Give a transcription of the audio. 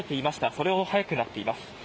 それほど速くなっています。